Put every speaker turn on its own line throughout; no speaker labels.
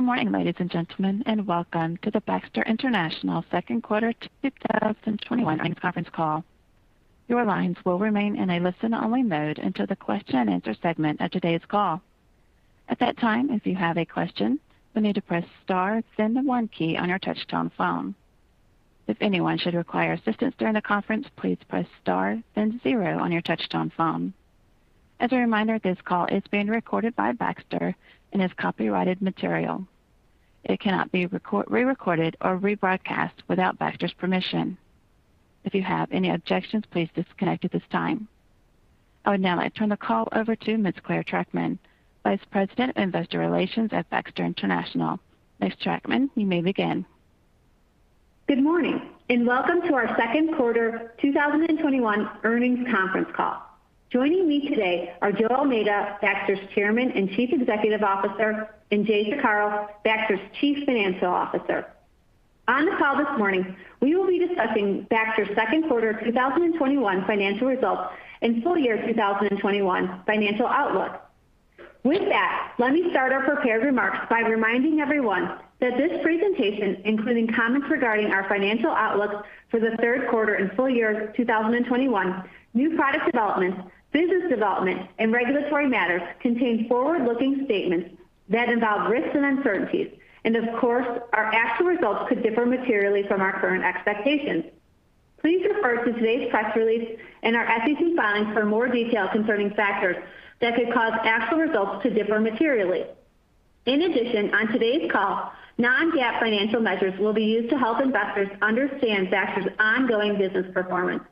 Good morning, ladies and gentlemen, and welcome to the Baxter International second quarter 2021 earnings conference call. Your lines will remain in a listen-only mode until the question and answer segment of today's call. At that time, if you have a question, you'll need to press star, then the one key on your touch-tone phone. If anyone should require assistance during the conference, please press star, then zero on your touch-tone phone. As a reminder, this call is being recorded by Baxter and is copyrighted material. It cannot be re-recorded or rebroadcast without Baxter's permission. If you have any objections, please disconnect at this time. I would now like to turn the call over to Ms. Clare Trachtman, Vice President of Investor Relations at Baxter International. Ms. Trachtman, you may begin.
Good morning, and welcome to our second quarter 2021 earnings conference call. Joining me today are Joe Almeida, Baxter's Chairman and Chief Executive Officer, and Jay Saccaro, Baxter's Chief Financial Officer. On the call this morning, we will be discussing Baxter's second quarter 2021 financial results and full year 2021 financial outlook. With that, let me start our prepared remarks by reminding everyone that this presentation, including comments regarding our financial outlook for the third quarter and full year 2021, new product developments, business development, and regulatory matters, contain forward-looking statements that involve risks and uncertainties. Of course, our actual results could differ materially from our current expectations. Please refer to today's press release and our SEC filings for more details concerning factors that could cause actual results to differ materially. In addition, on today's call, non-GAAP financial measures will be used to help investors understand Baxter's ongoing business performance.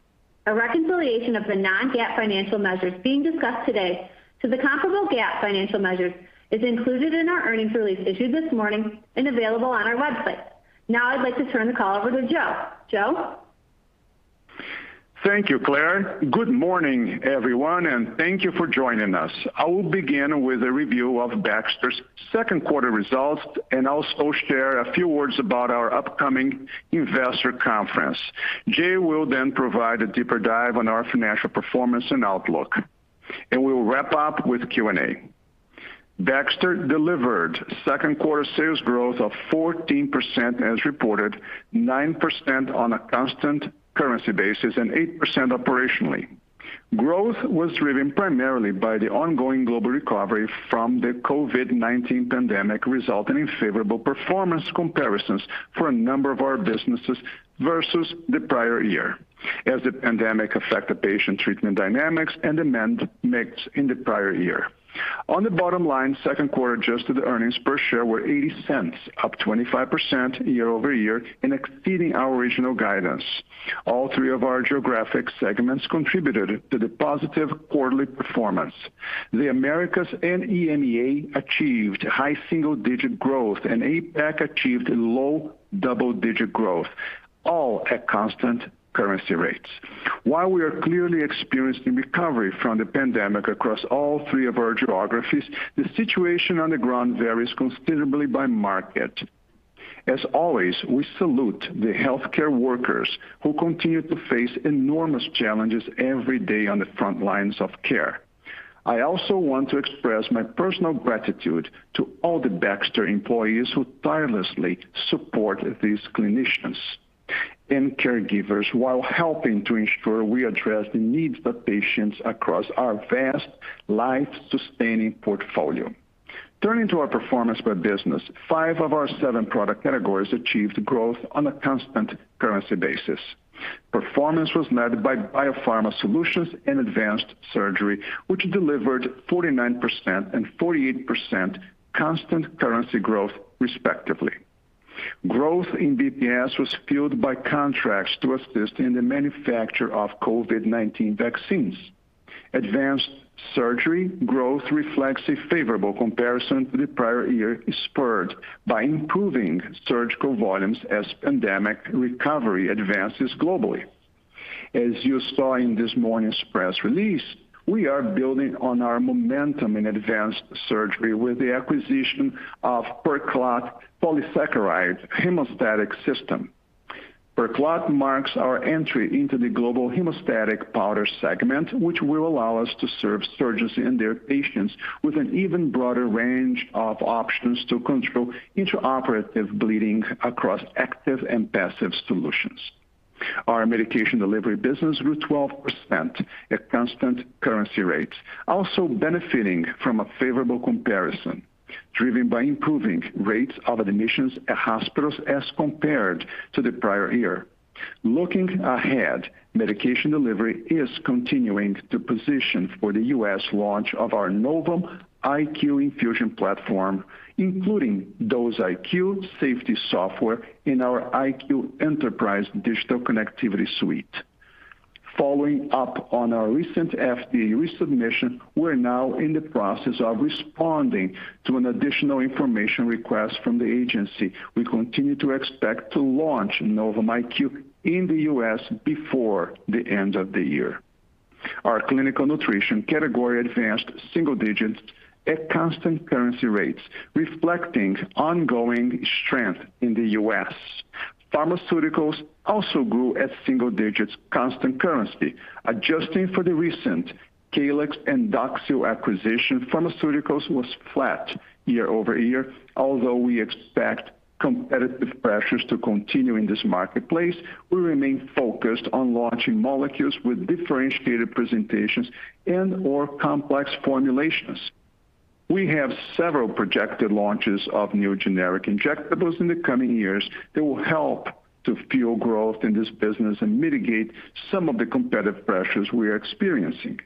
A reconciliation of the non-GAAP financial measures being discussed today to the comparable GAAP financial measures is included in our earnings release issued this morning and available on our website. Now I'd like to turn the call over to Joe. Joe?
Thank you, Clare. Good morning, everyone, and thank you for joining us. I will begin with a review of Baxter's second quarter results and also share a few words about our upcoming investor conference. Jay will then provide a deeper dive on our financial performance and outlook. We will wrap up with Q&A. Baxter delivered second quarter sales growth of 14% as reported, 9% on a constant currency basis, and 8% operationally. Growth was driven primarily by the ongoing global recovery from the COVID-19 pandemic, resulting in favorable performance comparisons for a number of our businesses versus the prior year, as the pandemic affected patient treatment dynamics and demand mix in the prior year. On the bottom line, second quarter adjusted earnings per share were $0.80, up 25% year-over-year and exceeding our original guidance. All three of our geographic segments contributed to the positive quarterly performance. The Americas and EMEA achieved high single-digit growth, and APAC achieved low double-digit growth, all at constant currency rates. While we are clearly experiencing recovery from the pandemic across all 3 of our geographies, the situation on the ground varies considerably by market. As always, we salute the healthcare workers who continue to face enormous challenges every day on the front lines of care. I also want to express my personal gratitude to all the Baxter employees who tirelessly support these clinicians and caregivers while helping to ensure we address the needs of patients across our vast life-sustaining portfolio. Turning to our performance by business, five of our seven product categories achieved growth on a constant currency basis. Performance was led by BioPharma Solutions and Advanced Surgery, which delivered 49% and 48% constant currency growth respectively. Growth in BPS was fueled by contracts to assist in the manufacture of COVID-19 vaccines. Advanced Surgery growth reflects a favorable comparison to the prior year, spurred by improving surgical volumes as pandemic recovery advances globally. As you saw in this morning's press release, we are building on our momentum in Advanced Surgery with the acquisition of PERCLOT Polysaccharide Hemostatic System. PERCLOT marks our entry into the global hemostatic powder segment, which will allow us to serve surgeons and their patients with an even broader range of options to control intraoperative bleeding across active and passive solutions. Our Medication Delivery business grew 12% at constant currency rates, also benefiting from a favorable comparison driven by improving rates of admissions at hospitals as compared to the prior year. Looking ahead, Medication Delivery is continuing to position for the U.S. launch of our Novum IQ infusion platform, including Dose IQ safety software in our IQ Enterprise digital connectivity suite. Following up on our recent FDA resubmission, we're now in the process of responding to an additional information request from the agency. We continue to expect to launch Novum IQ in the U.S. before the end of the year. Our Clinical Nutrition category advanced single digits at constant currency rates, reflecting ongoing strength in the U.S. Pharmaceuticals also grew at single digits constant currency. Adjusting for the recent Caelyx and Doxil acquisition, pharmaceuticals was flat year-over-year. Although we expect competitive pressures to continue in this marketplace, we remain focused on launching molecules with differentiated presentations and/or complex formulations. We have several projected launches of new generic injectables in the coming years that will help to fuel growth in this business and mitigate some of the competitive pressures we are experiencing.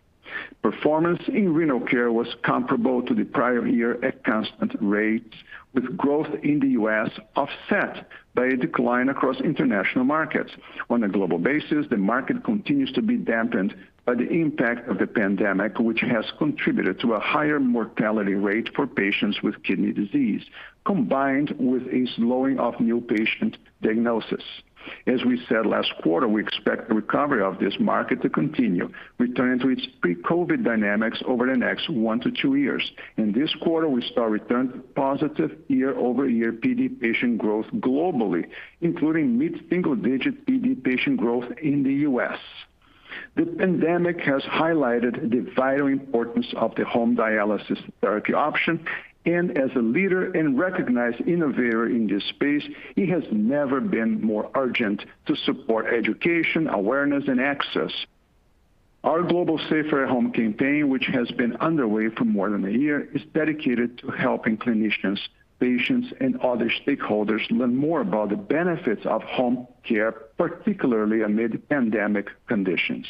Performance in Renal Care was comparable to the prior year at constant rates, with growth in the U.S. offset by a decline across international markets. On a global basis, the market continues to be dampened by the impact of the pandemic, which has contributed to a higher mortality rate for patients with kidney disease, combined with a slowing of new patient diagnosis. As we said last quarter, we expect the recovery of this market to continue returning to its pre-COVID-19 dynamics over the next one to two years. In this quarter, we saw a return to positive year-over-year PD patient growth globally, including mid-single-digit PD patient growth in the U.S. The pandemic has highlighted the vital importance of the home dialysis therapy option, and as a leader and recognized innovator in this space, it has never been more urgent to support education, awareness, and access. Our Global Safer at Home campaign, which has been underway for more than a year, is dedicated to helping clinicians, patients, and other stakeholders learn more about the benefits of home care, particularly amid pandemic conditions.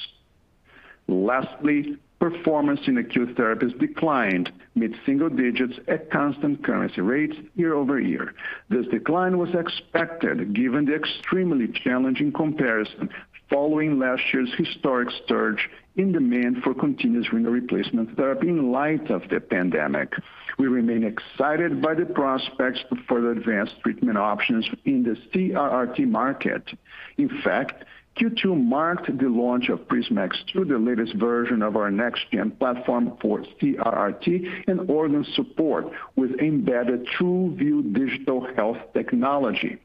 Lastly, performance in Acute Therapies declined mid-single digits at constant currency rates year-over-year. This decline was expected given the extremely challenging comparison following last year's historic surge in demand for Continuous Renal Replacement Therapy in light of the pandemic. We remain excited by the prospects for further advanced treatment options in the CRRT market. In fact, Q2 marked the launch of PrisMax 2, the latest version of our next-gen platform for CRRT and organ support with embedded TrueVue digital health technology.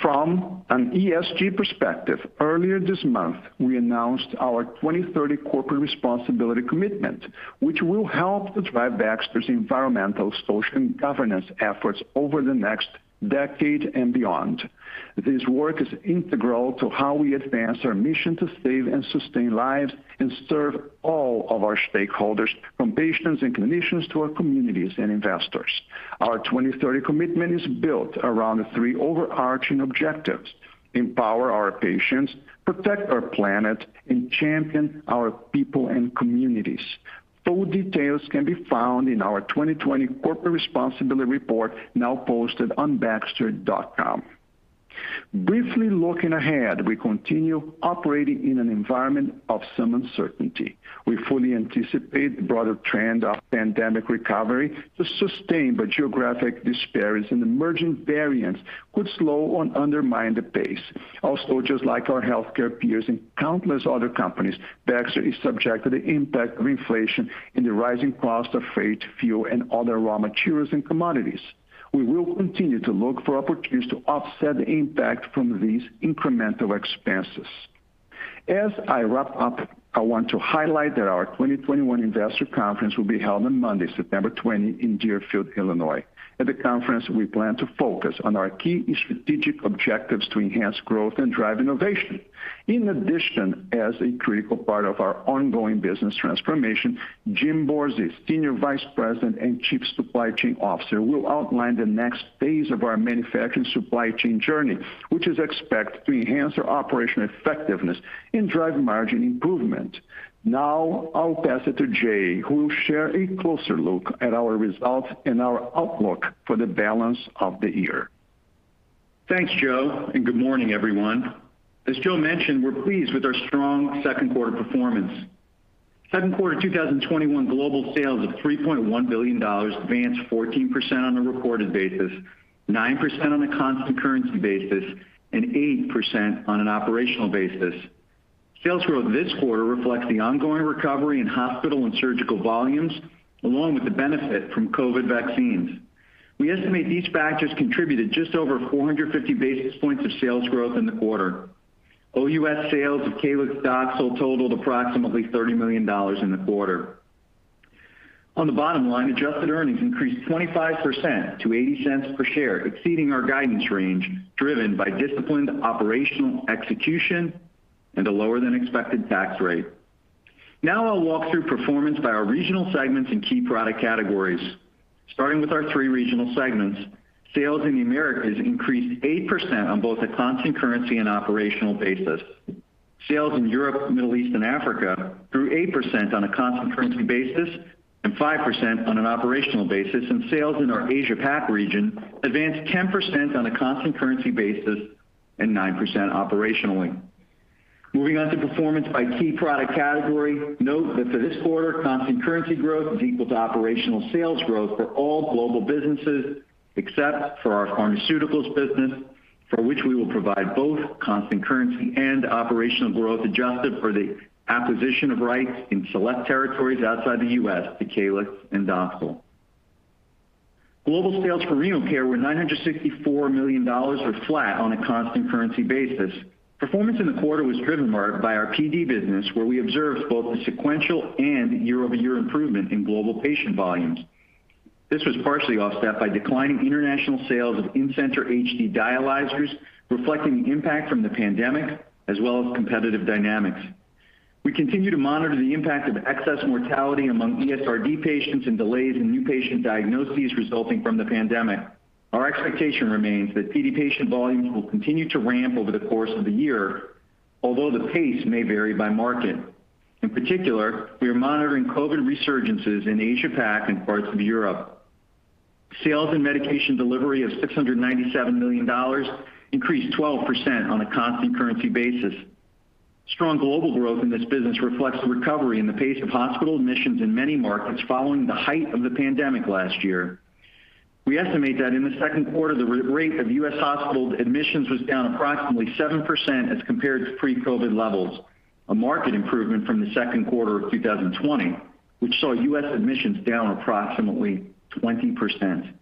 From an ESG perspective, earlier this month, we announced our 2030 corporate responsibility commitment, which will help drive Baxter's environmental, social, and governance efforts over the next decade and beyond. This work is integral to how we advance our mission to save and sustain lives and serve all of our stakeholders, from patients and clinicians to our communities and investors. Our 2030 commitment is built around three overarching objectives. Empower our patients, protect our planet, and champion our people and communities. Full details can be found in our 2020 corporate responsibility report, now posted on baxter.com. Briefly looking ahead, we continue operating in an environment of some uncertainty. We fully anticipate the broader trend of pandemic recovery to sustain, but geographic disparities and emerging variants could slow or undermine the pace. Also, just like our healthcare peers and countless other companies, Baxter is subject to the impact of inflation and the rising cost of freight, fuel, and other raw materials and commodities. We will continue to look for opportunities to offset the impact from these incremental expenses. As I wrap up, I want to highlight that our 2021 investor conference will be held on Monday, September 20 in Deerfield, Illinois. At the conference, we plan to focus on our key strategic objectives to enhance growth and drive innovation. In addition, as a critical part of our ongoing business transformation, Jim Borzi, Senior Vice President and Chief Supply Chain Officer, will outline the next phase of our manufacturing supply chain journey, which is expected to enhance our operational effectiveness and drive margin improvement. Now, I'll pass it to Jay, who will share a closer look at our results and our outlook for the balance of the year.
Thanks, Joe. Good morning, everyone. As Joe mentioned, we're pleased with our strong second quarter performance. Second quarter 2021 global sales of $3.1 billion advanced 14% on a reported basis, 9% on a constant currency basis, and 8% on an operational basis. Sales growth this quarter reflects the ongoing recovery in hospital and surgical volumes, along with the benefit from COVID-19 vaccines. We estimate these factors contributed just over 450 basis points of sales growth in the quarter. OUS sales of Caelyx/Doxil totaled approximately $30 million in the quarter. On the bottom line, adjusted earnings increased 25% to $0.80 per share, exceeding our guidance range, driven by disciplined operational execution and a lower-than-expected tax rate. Now I'll walk through performance by our regional segments and key product categories. Starting with our three regional segments, sales in the Americas increased 8% on both a constant currency and operational basis. Sales in Europe, Middle East, and Africa grew 8% on a constant currency basis and 5% on an operational basis. Sales in our Asia Pac region advanced 10% on a constant currency basis and 9% operationally. Moving on to performance by key product category, note that for this quarter, constant currency growth is equal to operational sales growth for all global businesses except for our pharmaceuticals business, for which we will provide both constant currency and operational growth adjusted for the acquisition of rights in select territories outside the U.S. to Caelyx and Doxil. Global sales for Renal Care were $964 million, or flat on a constant currency basis. Performance in the quarter was driven by our PD business, where we observed both a sequential and year-over-year improvement in global patient volumes. This was partially offset by declining international sales of in-center HD dialyzers, reflecting the impact from the pandemic as well as competitive dynamics. We continue to monitor the impact of excess mortality among ESRD patients and delays in new patient diagnoses resulting from the pandemic. Our expectation remains that PD patient volumes will continue to ramp over the course of the year, although the pace may vary by market. In particular, we are monitoring COVID resurgences in Asia Pac and parts of Europe. Sales in Medication Delivery of $697 million increased 12% on a constant currency basis. Strong global growth in this business reflects the recovery in the pace of hospital admissions in many markets following the height of the pandemic last year. We estimate that in the second quarter, the rate of U.S. hospital admissions was down approximately 7% as compared to pre-COVID-19 levels, a market improvement from the second quarter of 2020, which saw U.S. admissions down approximately 20%.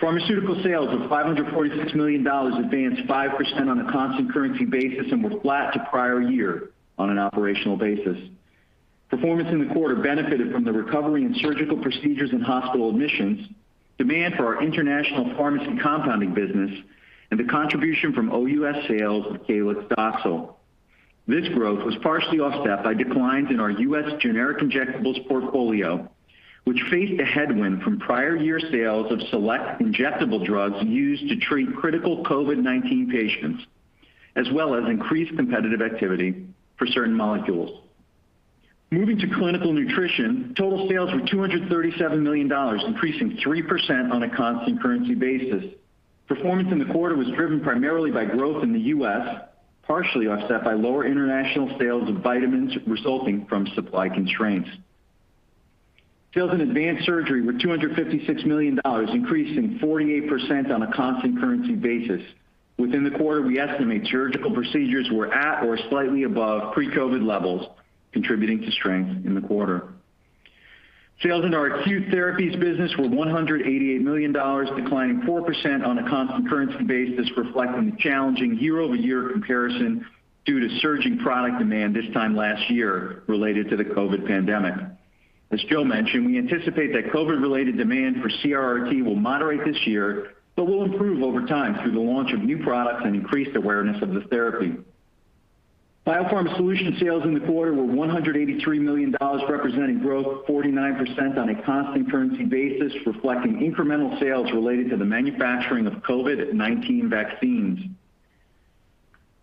Pharmaceutical sales of $546 million advanced 5% on a constant currency basis and were flat to prior year on an operational basis. Performance in the quarter benefited from the recovery in surgical procedures and hospital admissions, demand for our international pharmacy compounding business, and the contribution from OUS sales of Caelyx/Doxil. This growth was partially offset by declines in our U.S. generic injectables portfolio, which faced a headwind from prior year sales of select injectable drugs used to treat critical COVID-19 patients, as well as increased competitive activity for certain molecules. Moving to Clinical Nutrition, total sales were $237 million, increasing 3% on a constant currency basis. Performance in the quarter was driven primarily by growth in the U.S., partially offset by lower international sales of vitamins resulting from supply constraints. Sales in Advanced Surgery were $256 million, increasing 48% on a constant currency basis. Within the quarter, we estimate surgical procedures were at or slightly above pre-COVID levels, contributing to strength in the quarter. Sales in our Acute Therapies business were $188 million, declining 4% on a constant currency basis, reflecting the challenging year-over-year comparison due to surging product demand this time last year related to the COVID pandemic. As Joe mentioned, we anticipate that COVID-related demand for CRRT will moderate this year, but will improve over time through the launch of new products and increased awareness of the therapy. BioPharma Solutions sales in the quarter were $183 million, representing growth 49% on a constant currency basis, reflecting incremental sales related to the manufacturing of COVID-19 vaccines.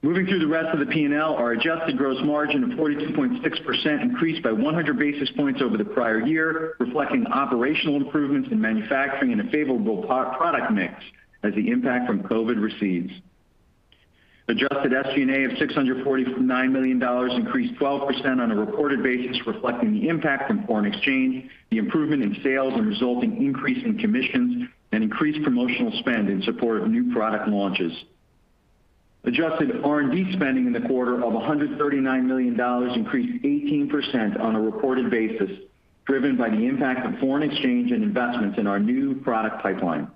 Moving through the rest of the P&L, our adjusted gross margin of 42.6% increased by 100 basis points over the prior year, reflecting operational improvements in manufacturing and a favorable product mix as the impact from COVID recedes. Adjusted SG&A of $649 million increased 12% on a reported basis, reflecting the impact from foreign exchange, the improvement in sales, and resulting increase in commissions and increased promotional spend in support of new product launches. Adjusted R&D spending in the quarter of $139 million increased 18% on a reported basis, driven by the impact of foreign exchange and investments in our new product pipeline.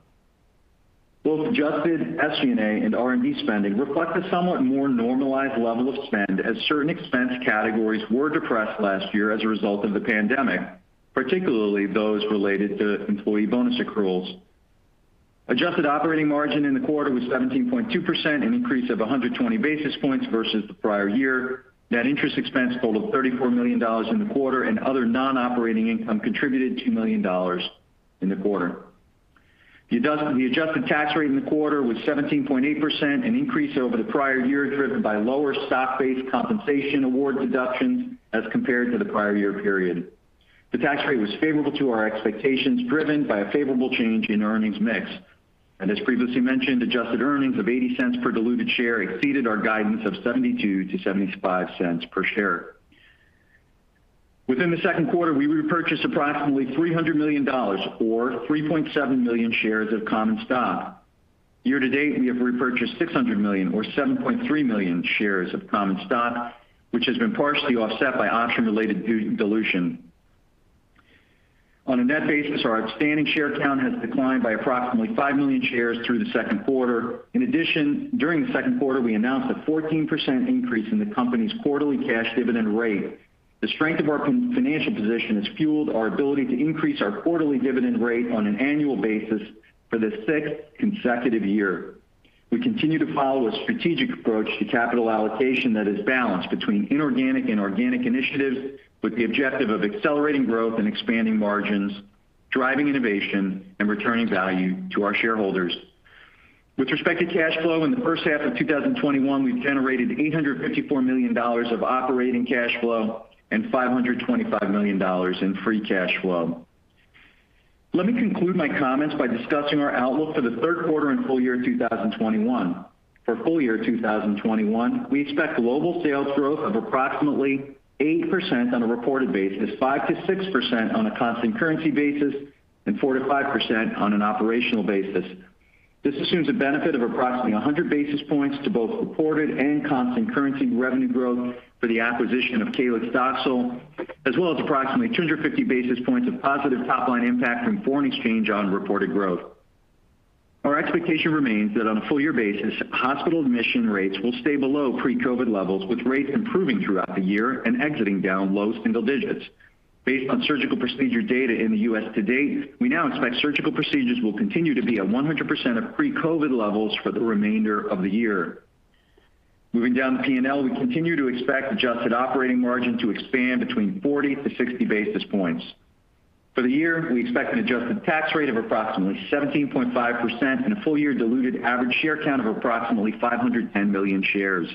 Both adjusted SG&A and R&D spending reflect a somewhat more normalized level of spend as certain expense categories were depressed last year as a result of the pandemic, particularly those related to employee bonus accruals. Adjusted operating margin in the quarter was 17.2%, an increase of 120 basis points versus the prior year. Net interest expense totaled $34 million in the quarter, and other non-operating income contributed $2 million in the quarter. The adjusted tax rate in the quarter was 17.8%, an increase over the prior year driven by lower stock-based compensation award deductions as compared to the prior year period. The tax rate was favorable to our expectations, driven by a favorable change in earnings mix. As previously mentioned, adjusted earnings of $0.80 per diluted share exceeded our guidance of $0.72-$0.75 per share. Within the second quarter, we repurchased approximately $300 million, or 3.7 million shares of common stock. Year-to date, we have repurchased $600 million or 7.3 million shares of common stock, which has been partially offset by option-related dilution. On a net basis, our outstanding share count has declined by approximately 5 million shares through the second quarter. In addition, during the second quarter, we announced a 14% increase in the company's quarterly cash dividend rate. The strength of our financial position has fueled our ability to increase our quarterly dividend rate on an annual basis for the sixth consecutive year. We continue to follow a strategic approach to capital allocation that is balanced between inorganic and organic initiatives, with the objective of accelerating growth and expanding margins, driving innovation, and returning value to our shareholders. With respect to cash flow, in the first half of 2021, we've generated $854 million of operating cash flow and $525 million in free cash flow. Let me conclude my comments by discussing our outlook for the third quarter and full year 2021. For full year 2021, we expect global sales growth of approximately 8% on a reported basis, 5%-6% on a constant currency basis, and 4%-5% on an operational basis. This assumes a benefit of approximately 100 basis points to both reported and constant currency revenue growth for the acquisition of Caelyx and Doxil, as well as approximately 250 basis points of positive top-line impact from foreign exchange on reported growth. Our expectation remains that on a full-year basis, hospital admission rates will stay below pre-COVID-19 levels, with rates improving throughout the year and exiting down low single digits. Based on surgical procedure data in the U.S. to date, we now expect surgical procedures will continue to be at 100% of pre-COVID levels for the remainder of the year. Moving down the P&L, we continue to expect adjusted operating margin to expand between 40 basis points-60 basis points. For the year, we expect an adjusted tax rate of approximately 17.5% and a full-year diluted average share count of approximately 510 million shares.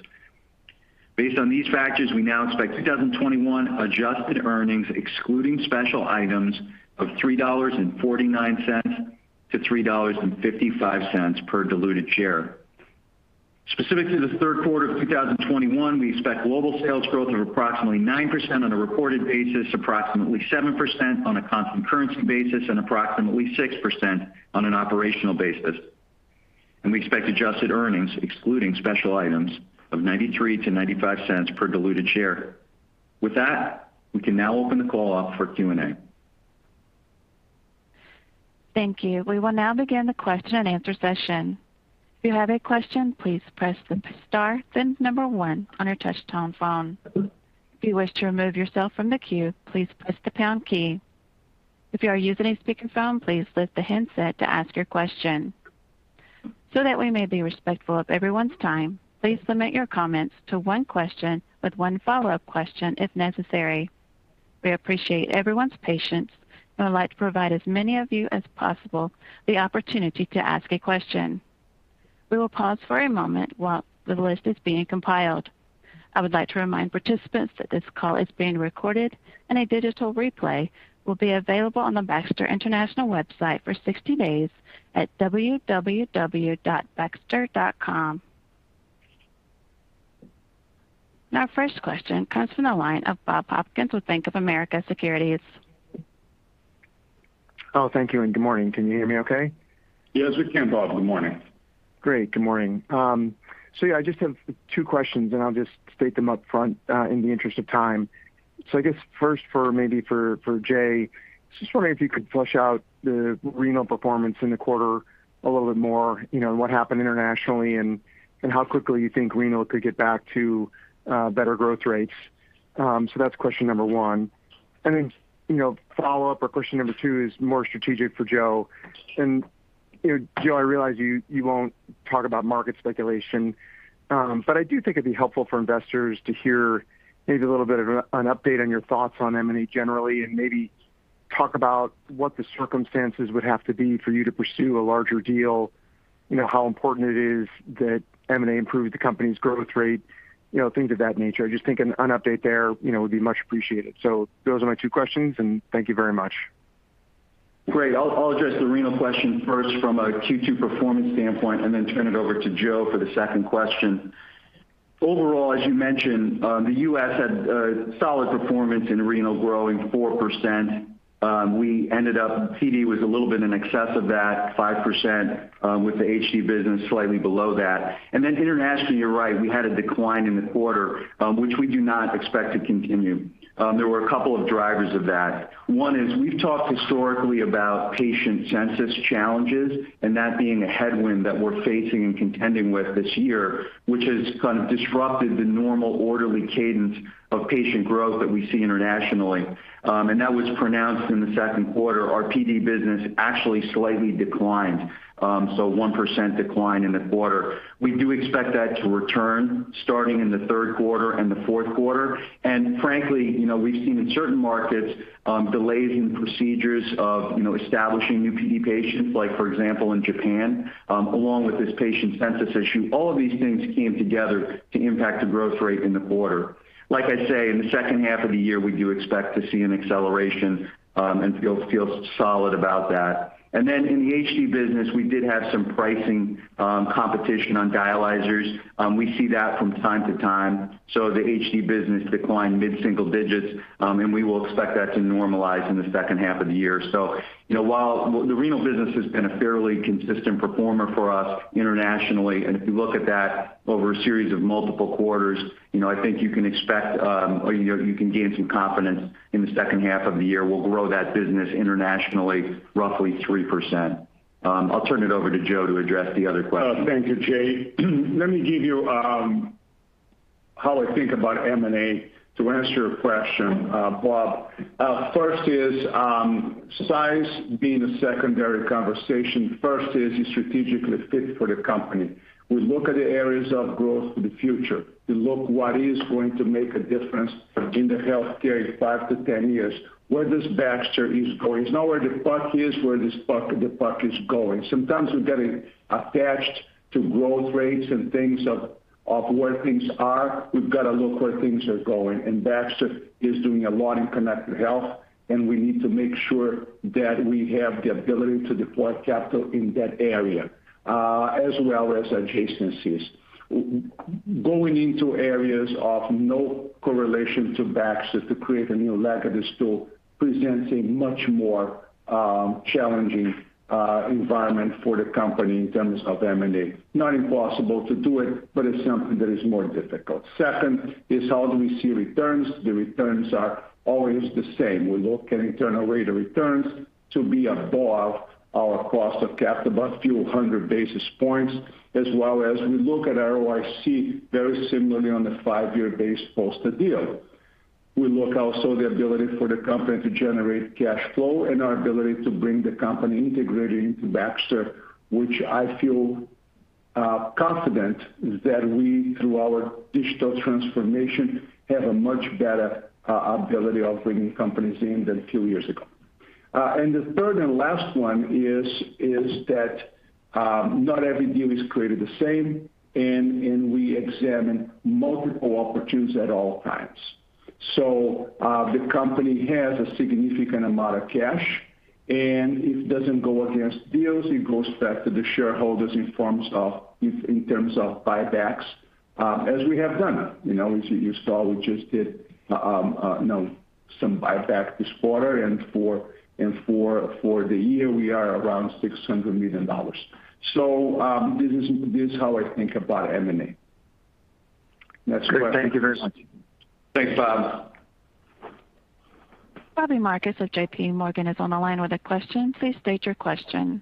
Based on these factors, we now expect 2021 adjusted earnings, excluding special items, of $3.49-$3.55 per diluted share. Specific to the third quarter of 2021, we expect global sales growth of approximately 9% on a reported basis, approximately 7% on a constant currency basis, and approximately 6% on an operational basis. We expect adjusted earnings, excluding special items, of $0.93-$0.95 per diluted share. With that, we can now open the call up for Q&A.
Thank you. We will now begin the question-and-answer session. If you have a question, please press the star, then number one on your touch-tone phone. If you wish to remove yourself from the queue, please press the pound key. If you are using a speakerphone, please lift the handset to ask your question. So that we may be respectful of everyone's time, please limit your comments to one question with one follow-up question if necessary. We appreciate everyone's patience, and would like to provide as many of you as possible the opportunity to ask a question. We will pause for a moment while the list is being compiled. I would like to remind participants that this call is being recorded, and a digital replay will be available on the Baxter International website for 60 days at www.baxter.com. Our first question comes from the line of Bob Hopkins with Bank of America Securities.
Oh, thank you, and good morning. Can you hear me okay?
Yes, we can, Bob. Good morning.
Great. Good morning. Yeah, I just have two questions, and I'll just state them up front in the interest of time. I guess first maybe for Jay, I was just wondering if you could flesh out the Renal Care performance in the quarter a little bit more. What happened internationally, and how quickly you think Renal Care could get back to better growth rates? That's question number one. Then, follow-up or question number two is more strategic for Joe. Joe, I realize you won't talk about market speculation, but I do think it'd be helpful for investors to hear maybe a little bit of an update on your thoughts on M&A generally, and maybe talk about what the circumstances would have to be for you to pursue a larger deal. How important it is that M&A improve the company's growth rate, things of that nature. I just think an update there would be much appreciated. Those are my two questions, and thank you very much.
Great. I'll address the renal question first from a Q2 performance standpoint, then turn it over to Joe for the second question. Overall, as you mentioned, the U.S. had a solid performance in renal, growing 4%. We ended up PD was a little bit in excess of that 5%, with the HD business slightly below that. Internationally, you're right. We had a decline in the quarter, which we do not expect to continue. There were a couple of drivers of that. One is we've talked historically about patient census challenges, that being a headwind that we're facing and contending with this year, which has kind of disrupted the normal, orderly cadence of patient growth that we see internationally. That was pronounced in the second quarter. Our PD business actually slightly declined, 1% decline in the quarter. We do expect that to return starting in the third quarter and the fourth quarter. Frankly, we've seen in certain markets delays in procedures of establishing new PD patients, like for example, in Japan, along with this patient census issue. All of these things came together to impact the growth rate in the quarter. Like I say, in the second half of the year, we do expect to see an acceleration and feel solid about that. In the HD business, we did have some pricing competition on dialyzers. We see that from time to time. The HD business declined mid-single digits, and we will expect that to normalize in the second half of the year. While the Renal Care business has been a fairly consistent performer for us internationally, and if you look at that over a series of multiple quarters, I think you can gain some confidence in the second half of the year we'll grow that business internationally roughly 3%. I'll turn it over to Joe to address the other question.
Thank you, Jay. Let me give you how I think about M&A to answer your question, Bob. First is size being a secondary conversation. First is strategically fit for the company. We look at the areas of growth for the future. We look what is going to make a difference in the healthcare in 5-10 years. Where does Baxter is going? It's not where the puck is, where the puck is going. Sometimes we're getting attached to growth rates and things of where things are. We've got to look where things are going. Baxter is doing a lot in connected health, and we need to make sure that we have the ability to deploy capital in that area, as well as adjacencies. Going into areas of no correlation to Baxter to create a new leg of the stool presents a much more challenging environment for the company in terms of M&A. Not impossible to do it, but it's something that is more difficult. Second is how do we see returns? The returns are always the same. We look at internal rate of returns to be above our cost of capital, about a few hundred basis points, as well as we look at ROIC very similarly on the five-year base post the deal. We look also at the ability for the company to generate cash flow and our ability to bring the company integrated into Baxter, which I feel confident that we, through our digital transformation, have a much better ability of bringing companies in than a few years ago. The third and last one is that not every deal is created the same, and we examine multiple opportunities at all times. The company has a significant amount of cash, and if it doesn't go against deals, it goes back to the shareholders in terms of buybacks, as we have done. As you saw, we just did some buyback this quarter, and for the year, we are around $600 million. This is how I think about M&A. Next question.
Great. Thank you very much.
Thanks, Bob.
Robbie Marcus of JPMorgan is on the line with a question. Please state your question.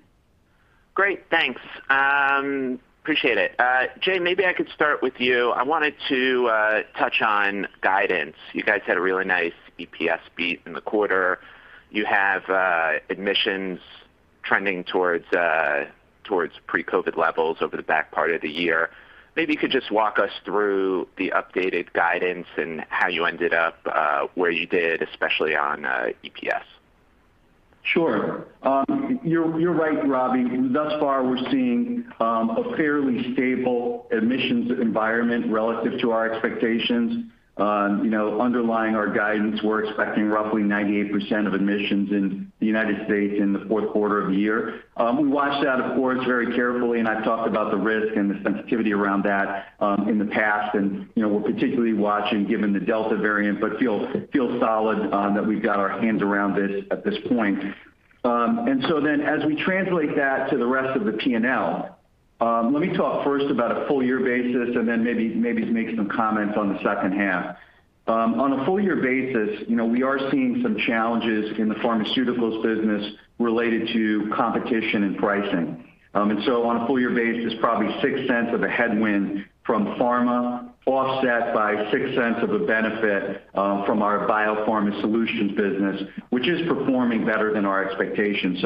Great, thanks. Appreciate it. Jay, maybe I could start with you. I wanted to touch on guidance. You guys had a really nice EPS beat in the quarter. You have admissions trending towards pre-COVID levels over the back part of the year. Maybe you could just walk us through the updated guidance and how you ended up where you did, especially on EPS.
Sure. You're right, Robbie. Thus far, we're seeing a fairly stable admissions environment relative to our expectations. Underlying our guidance, we're expecting roughly 98% of admissions in the U.S. in the fourth quarter of the year. We watch that, of course, very carefully, and I've talked about the risk and the sensitivity around that in the past, and we're particularly watching given the Delta variant, but feel solid that we've got our hands around this at this point. As we translate that to the rest of the P&L, let me talk first about a full year basis and then maybe make some comments on the second half. On a full year basis, we are seeing some challenges in the pharmaceuticals business related to competition and pricing. On a full year basis, probably $0.06 of a headwind from pharma offset by $0.06 of a benefit from our BioPharma Solutions business, which is performing better than our expectations.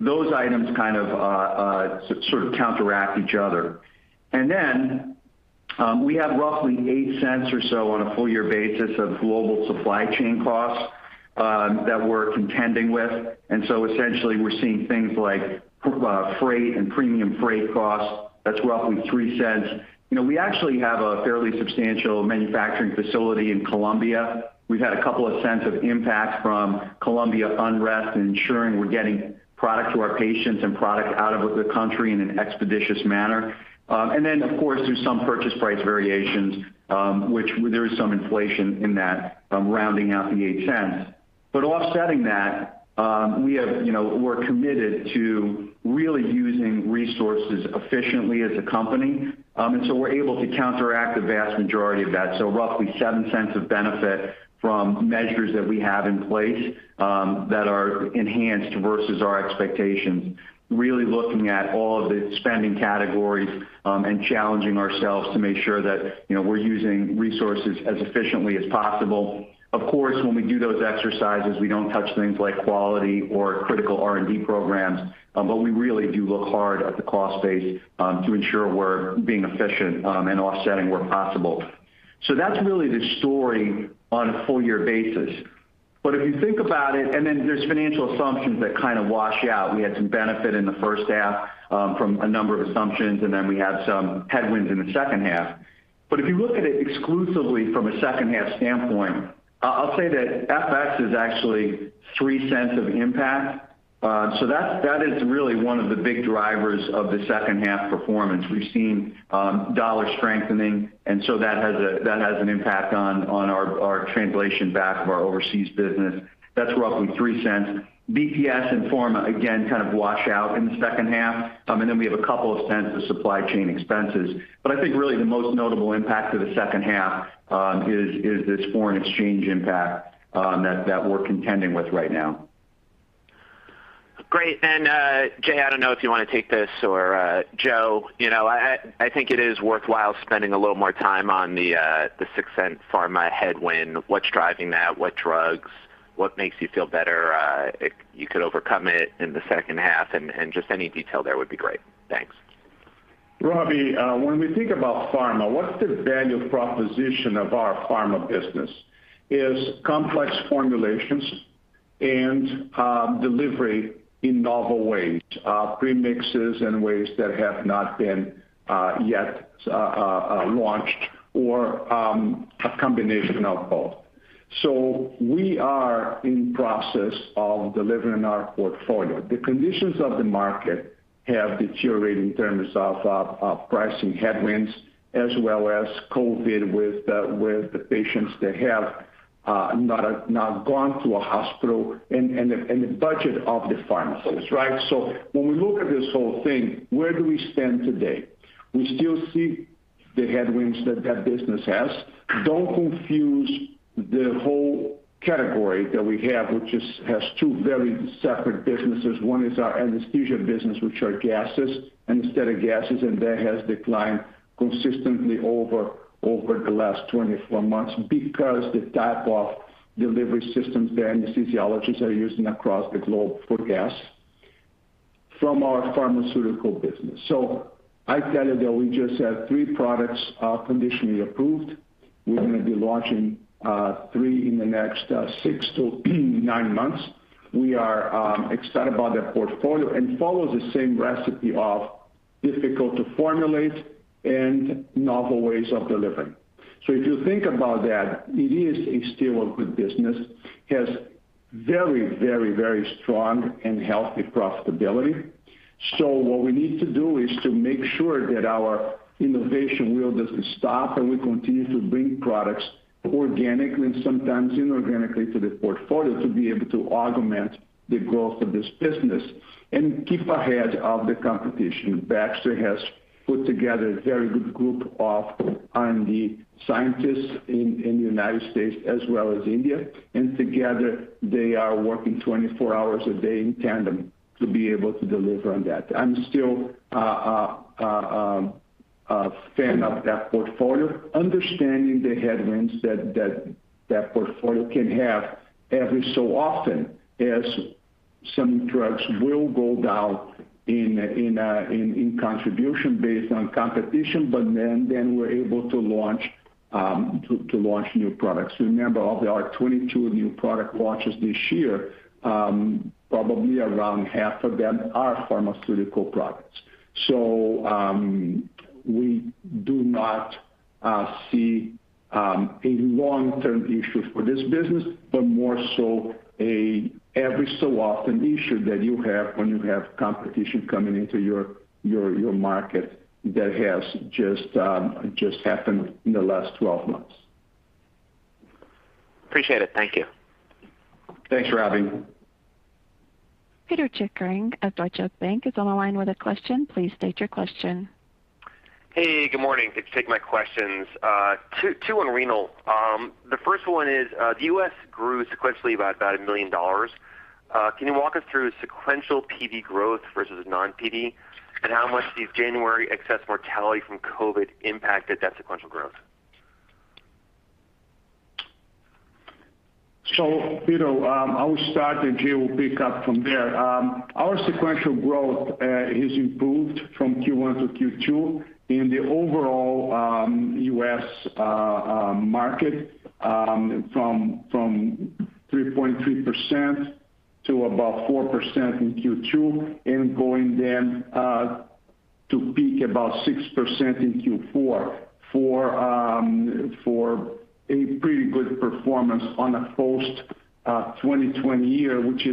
Those items kind of sort of counteract each other. We have roughly $0.08 or so on a full year basis of global supply chain costs that we're contending with. Essentially, we're seeing things like freight and premium freight costs. That's roughly $0.03. We actually have a fairly substantial manufacturing facility in Colombia. We've had a couple of cents of impact from Colombia unrest and ensuring we're getting product to our patients and product out of the country in an expeditious manner. Of course, there's some purchase price variations, which there is some inflation in that rounding out the $0.08. Offsetting that, we're committed to really using resources efficiently as a company. We're able to counteract the vast majority of that. Roughly $0.07 of benefit from measures that we have in place that are enhanced versus our expectations. Really looking at all of the spending categories and challenging ourselves to make sure that we're using resources as efficiently as possible. Of course, when we do those exercises, we don't touch things like quality or critical R&D programs, but we really do look hard at the cost base to ensure we're being efficient and offsetting where possible. That's really the story on a full year basis. If you think about it, and then there's financial assumptions that kind of wash out. We had some benefit in the first half from a number of assumptions, and then we have some headwinds in the second half. If you look at it exclusively from a second half standpoint, I'll say that FX is actually $0.03 of impact. That is really one of the big drivers of the second half performance. We've seen dollar strengthening, that has an impact on our translation back of our overseas business. That's roughly $0.03. BPS and pharma, again, kind of wash out in the second half. We have $0.02 of supply chain expenses. I think really the most notable impact to the second half is this foreign exchange impact that we're contending with right now.
Great. Jay, I don't know if you want to take this or Joe. I think it is worthwhile spending a little more time on the $0.06 pharma headwind. What's driving that? What drugs? What makes you feel better you could overcome it in the second half? Just any detail there would be great. Thanks.
Robbie, when we think about pharma, what's the value proposition of our pharma business? Is complex formulations and delivery in novel ways, premixes in ways that have not been yet launched or a combination of both. We are in process of delivering our portfolio. The conditions of the market have deteriorated in terms of pricing headwinds as well as COVID with the patients that have not gone to a hospital and the budget of the pharmacies, right? When we look at this whole thing, where do we stand today? We still see the headwinds that business has. Don't confuse the whole category that we have, which has two very separate businesses. One is our anesthesia business, which are gases, anesthetic gases. That has declined consistently over the last 24 months because the type of delivery systems the anesthesiologists are using across the globe for gas from our pharmaceutical business. I tell you that we just have three products conditionally approved. We're going to be launching three in the next six to nine months. We are excited about that portfolio and follows the same recipe of difficult to formulate and novel ways of delivering. If you think about that, it is still a good business. Has very, very, very strong and healthy profitability. What we need to do is to make sure that our innovation wheel doesn't stop, and we continue to bring products organically and sometimes inorganically to the portfolio to be able to augment the growth of this business and keep ahead of the competition. Baxter has put together a very good group of R&D scientists in the United States as well as India. Together they are working 24 hours a day in tandem to be able to deliver on that. I'm still a fan of that portfolio, understanding the headwinds that portfolio can have every so often, as some drugs will go down in contribution based on competition. We're able to launch new products. Remember, of our 22 new product launches this year, probably around half of them are pharmaceutical products. We do not see a long-term issue for this business, but more so a every-so-often issue that you have when you have competition coming into your market that has just happened in the last 12 months.
Appreciate it. Thank you.
Thanks, Robbie.
Pito Chickering of Deutsche Bank is on the line with a question. Please state your question.
Hey, good morning. Thanks for taking my questions. Two on renal. The first is, the U.S. grew sequentially by about $1 million. Can you walk us through sequential PD growth versus non-PD? How much did January excess mortality from COVID-19 impacted that sequential growth?
Pito, I will start, and Jay will pick up from there. Our sequential growth has improved from Q1 to Q2 in the overall U.S. market from 3.3% to about 4% in Q2, and going to peak about 6% in Q4 for a pretty good performance on a post-2020 year, which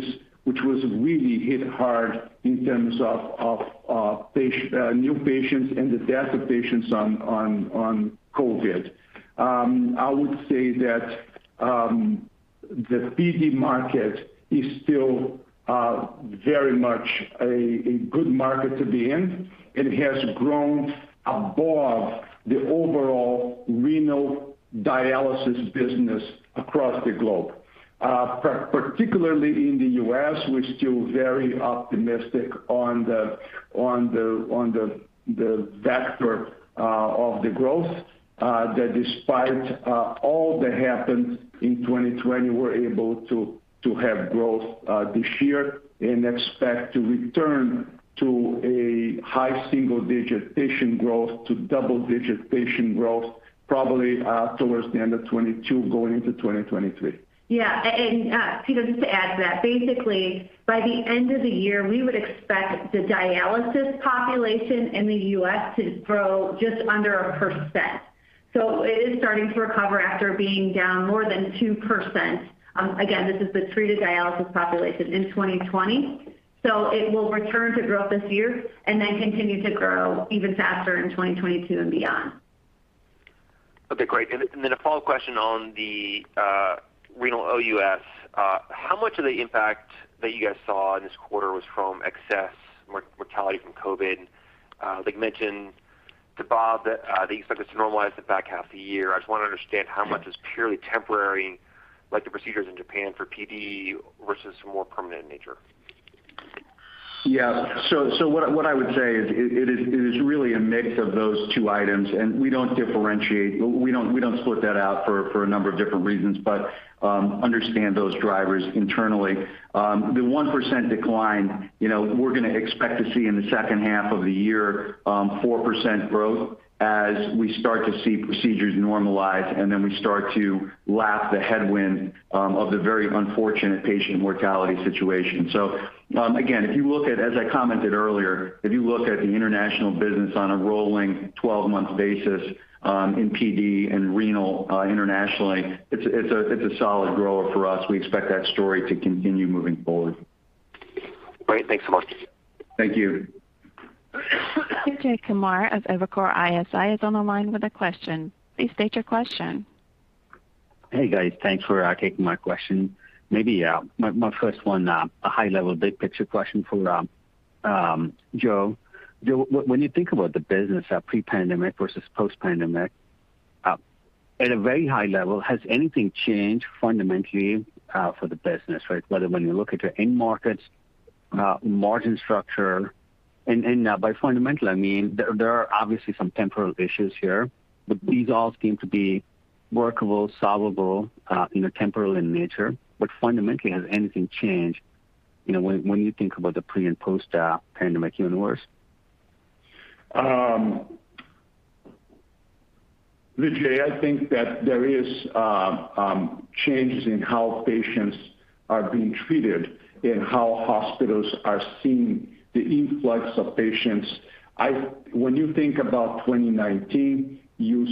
was really hit hard in terms of new patients and the death of patients on COVID. I would say that the PD market is still very much a good market to be in. It has grown above the overall renal dialysis business across the globe. Particularly in the U.S., we're still very optimistic on the vector of the growth that despite all that happened in 2020, we're able to have growth this year and expect to return to a high single-digit patient growth to double-digit patient growth probably towards the end of 2022, going into 2023.
Yeah. Pito, just to add to that, basically, by the end of the year, we would expect the dialysis population in the U.S. to grow just under 1%. It is starting to recover after being down more than 2%. Again, this is the treated dialysis population in 2020. It will return to growth this year and then continue to grow even faster in 2022 and beyond.
Okay, great. A follow-up question on the Renal OUS. How much of the impact that you guys saw in this quarter was from excess mortality from COVID-19? Like you mentioned to Bob, that you expect it to normalize the back half of the year. I just want to understand how much is purely temporary, like the procedures in Japan for PD versus more permanent nature.
Yeah. What I would say is it is really a mix of those two items, and we don't differentiate. We don't split that out for a number of different reasons, but understand those drivers internally. The 1% decline, we're going to expect to see in the second half of the year 4% growth as we start to see procedures normalize, and then we start to lap the headwind of the very unfortunate patient mortality situation. Again, as I commented earlier, if you look at the international business on a rolling 12-month basis in PD and renal internationally, it's a solid grower for us. We expect that story to continue moving forward.
Great. Thanks so much.
Thank you.
Vijay Kumar of Evercore ISI is on the line with a question. Please state your question.
Hey, guys. Thanks for taking my question. Maybe my first one, a high-level, big-picture question for Joe. Joe, when you think about the business pre-pandemic versus post-pandemic, at a very high level, has anything changed fundamentally for the business, whether when you look at your end markets, margin structure? I mean, there are obviously some temporal issues here, but these all seem to be workable, solvable, temporal in nature. Fundamentally, has anything changed when you think about the pre and post-pandemic universe?
Vijay, I think that there is changes in how patients are being treated and how hospitals are seeing the influx of patients. When you think about 2019, and you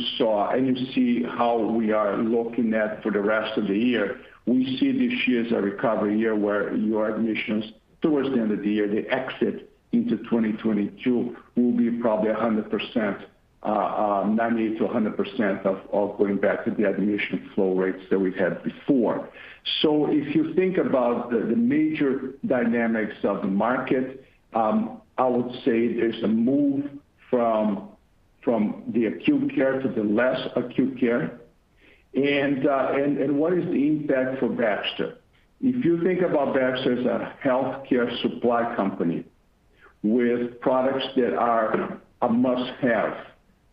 see how we are looking at for the rest of the year, we see this year as a recovery year where your admissions towards the end of the year, the exit into 2022 will be probably 90%-100% of going back to the admission flow rates that we had before. If you think about the major dynamics of the market, I would say there's a move from the acute care to the less acute care. What is the impact for Baxter? If you think about Baxter as a healthcare supply company with products that are a must-have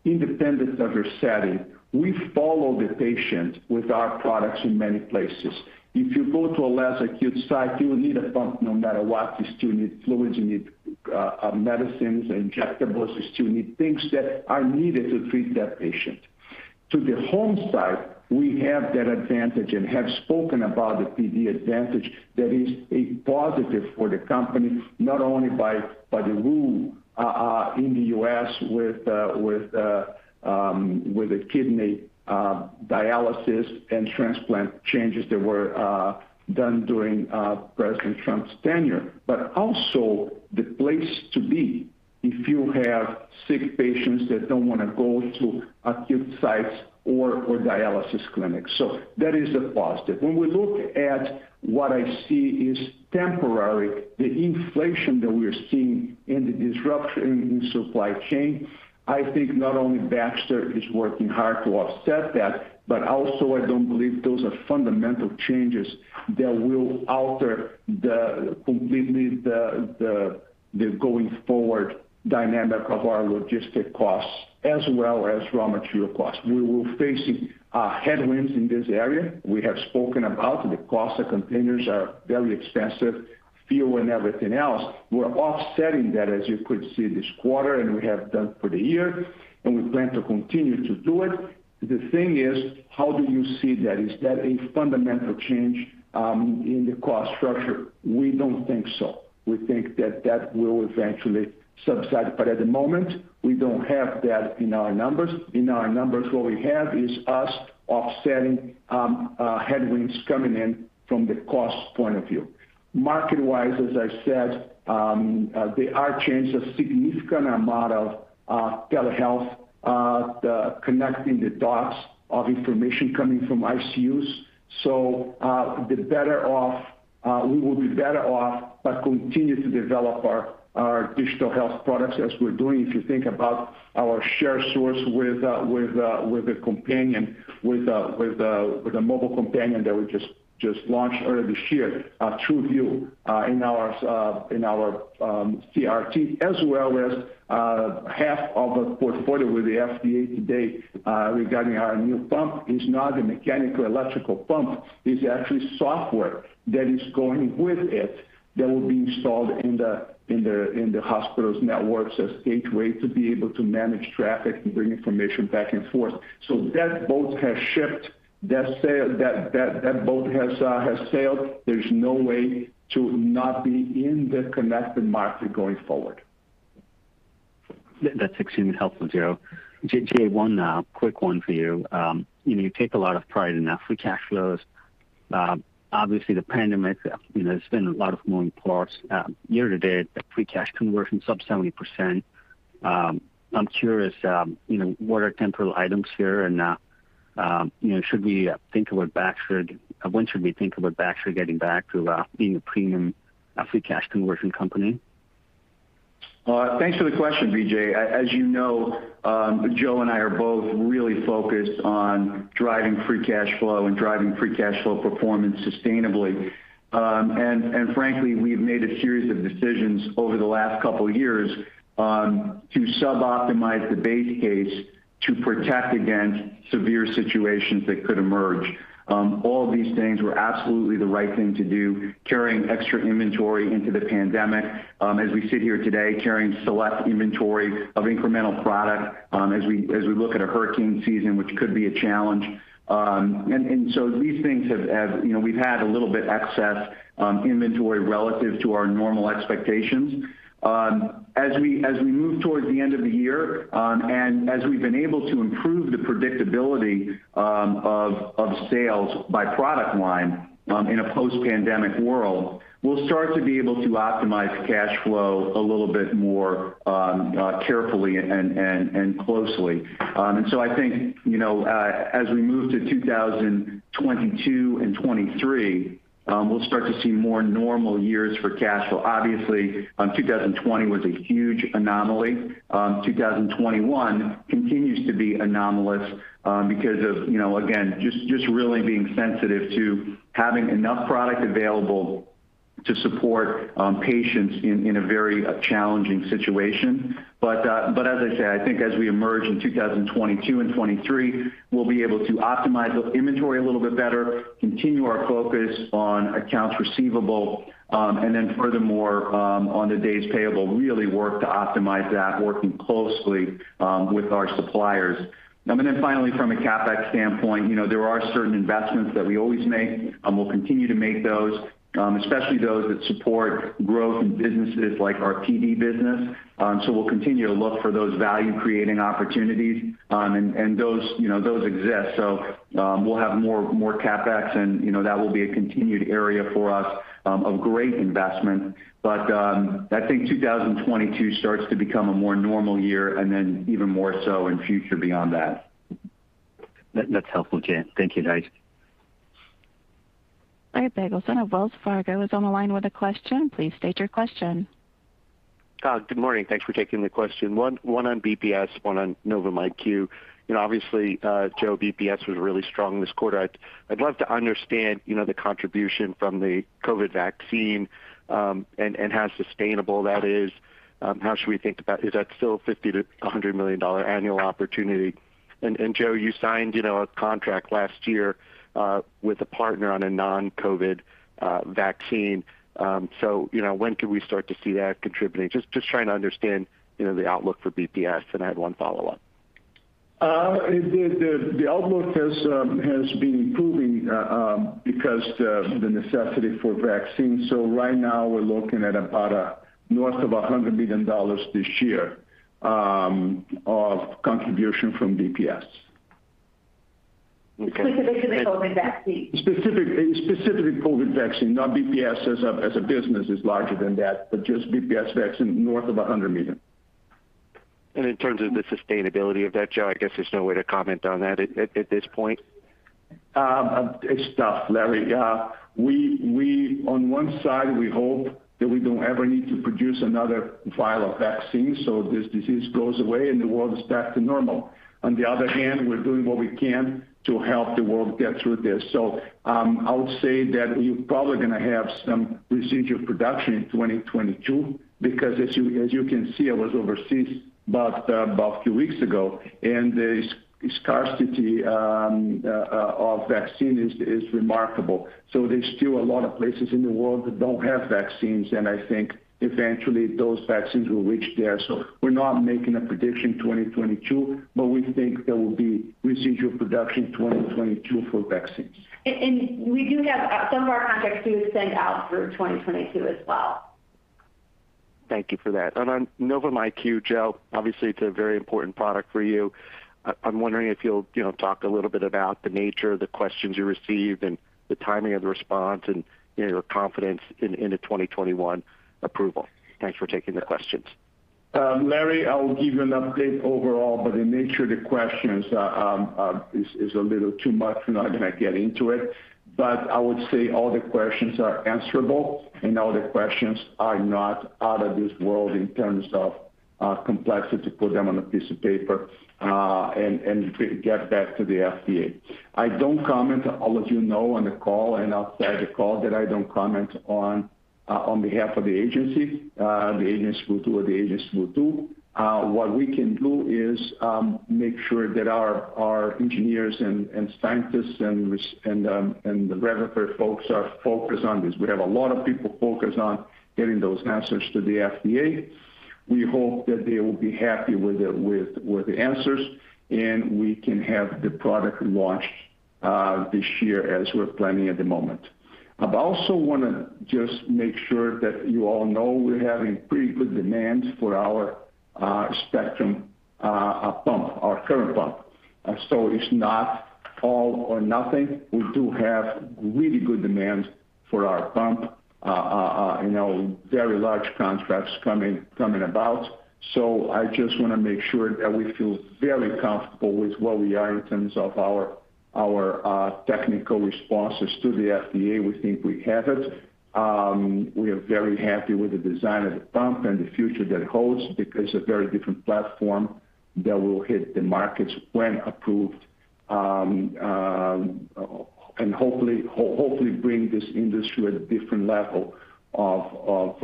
independent of your setting. We follow the patient with our products in many places. If you go to a less acute site, you need a pump no matter what. You still need fluids, you need medicines, injectables. You still need things that are needed to treat that patient. To the home side, we have that advantage and have spoken about the PD advantage that is a positive for the company, not only by the rule in the U.S. with the kidney dialysis and transplant changes that were done during President Trump's tenure. Also the place to be if you have sick patients that don't want to go to acute sites or dialysis clinics. That is a positive. When we look at what I see is temporary, the inflation that we are seeing and the disruption in supply chain, I think not only Baxter is working hard to offset that, but also I don't believe those are fundamental changes that will alter completely the going forward dynamic of our logistic costs as well as raw material costs. We were facing headwinds in this area. We have spoken about the cost of containers are very expensive, fuel, and everything else. We're offsetting that, as you could see this quarter, and we have done for the year, and we plan to continue to do it. The thing is, how do you see that? Is that a fundamental change in the cost structure? We don't think so. We think that that will eventually subside. At the moment, we don't have that in our numbers. In our numbers, what we have is us offsetting headwinds coming in from the cost point of view. Market-wise, as I said, there are changes, a significant amount of telehealth connecting the dots of information coming from ICUs. We will be better off by continuing to develop our digital health products as we're doing. If you think about our Sharesource with a mobile companion that we just launched earlier this year, TrueVue in our CRRT, as well as half of a portfolio with the FDA today regarding our new pump. It's not a mechanical electrical pump. It's actually software that is going with it that will be installed in the hospital's networks as gateway to be able to manage traffic and bring information back and forth. That boat has shipped. That boat has sailed. There's no way to not be in the connected market going forward.
That's extremely helpful, Joe. Jay, one quick one for you. You take a lot of pride in the free cash flows. Obviously, the pandemic has been a lot of moving parts. year-to date, the free cash conversion sub 70%. I'm curious, what are temporal items here? When should we think about Baxter getting back to being a premium free cash conversion company?
Thanks for the question, Vijay. As you know, Joe and I are both really focused on driving free cash flow and driving free cash flow performance sustainably. Frankly, we've made a series of decisions over the last 2 years to suboptimize the base case to protect against severe situations that could emerge. All of these things were absolutely the right thing to do. Carrying extra inventory into the pandemic. As we sit here today, carrying select inventory of incremental product as we look at a hurricane season, which could be a challenge. So, we've had a little bit excess inventory relative to our normal expectations. As we move towards the end of the year, and as we've been able to improve the predictability of sales by product line in a post-pandemic world, we'll start to be able to optimize cash flow a little bit more carefully and closely. I think, as we move to 2022 and 2023, we'll start to see more normal years for cash flow. Obviously, 2020 was a huge anomaly. 2021 continues to be anomalous because of, again, just really being sensitive to having enough product available to support patients in a very challenging situation. As I said, I think as we emerge in 2022 and 2023, we'll be able to optimize inventory a little bit better, continue our focus on accounts receivable, and then furthermore, on the days payable, really work to optimize that, working closely with our suppliers. Finally, from a CapEx standpoint, there are certain investments that we always make, and we'll continue to make those, especially those that support growth in businesses like our PD business. We'll continue to look for those value-creating opportunities, and those exist. We'll have more CapEx and that will be a continued area for us of great investment. I think 2022 starts to become a more normal year, and then even more so in future beyond that.
That's helpful, Jay. Thank you, guys.
Larry Biegelsen of Wells Fargo is on the line with a question. Please state your question.
Good morning. Thanks for taking the question. One on BPS, one on Novum IQ. Joe, BPS was really strong this quarter. I'd love to understand the contribution from the COVID vaccine, how sustainable that is. Is that still a $50 million-$100 million annual opportunity? Joe, you signed a contract last year with a partner on a non-COVID vaccine. When could we start to see that contributing? Just trying to understand the outlook for BPS. I have 1 follow-up.
The outlook has been improving because of the necessity for vaccines. Right now we're looking at about north of $100 million this year of contribution from BPS.
Specifically COVID vaccine.
Specifically COVID-19 vaccine. Now BPS as a business is larger than that, but just BPS vaccine, north of $100 million.
In terms of the sustainability of that, Joe, I guess there's no way to comment on that at this point?
It's tough, Larry. On one side, we hope that we don't ever need to produce another vial of vaccine, so this disease goes away and the world is back to normal. On the other hand, we're doing what we can to help the world get through this. I would say that you're probably going to have some residual production in 2022, because, as you can see, I was overseas about a few weeks ago, and the scarcity of vaccine is remarkable. There's still a lot of places in the world that don't have vaccines, and I think eventually those vaccines will reach there. We're not making a prediction 2022, but we think there will be residual production 2022 for vaccines.
We do have some of our contracts do extend out through 2022 as well.
Thank you for that. On Novum IQ, Joe, obviously it's a very important product for you. I'm wondering if you'll talk a little bit about the nature of the questions you received and the timing of the response and your confidence in a 2021 approval. Thanks for taking the questions.
Larry, I will give you an update overall. The nature of the questions is a little too much. We're not going to get into it. I would say all the questions are answerable, and all the questions are not out of this world in terms of complexity to put them on a piece of paper and get back to the FDA. I don't comment, all of you know on the call and outside the call, that I don't comment on behalf of the agency. The agency will do what the agency will do. What we can do is make sure that our engineers and scientists and the regulatory folks are focused on this. We have a lot of people focused on getting those answers to the FDA. We hope that they will be happy with the answers, and we can have the product launched this year as we're planning at the moment. I also want to just make sure that you all know we're having pretty good demand for our Spectrum pump, our current pump. It's not all or nothing. We do have really good demand for our pump. Very large contracts coming about. I just want to make sure that we feel very comfortable with where we are in terms of our technical responses to the FDA. We think we have it. We are very happy with the design of the pump and the future that it holds because a very different platform that will hit the markets when approved and hopefully bring this industry at a different level of